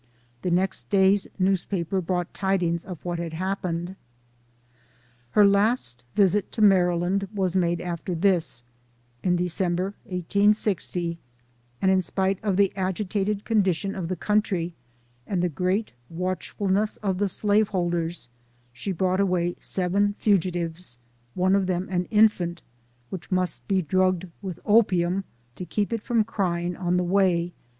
The next day's newspaper brought tidings of what had happened. "Her last visit to Maryland was made after this, in December, 1860 ; and in spite of the agitated condition of the country, and the greater watchful ness of the slaveholders, she brought away seven fugitives, one of them an infant, which must be drugged with opium to keep it from crying on the way.